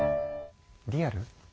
リアル？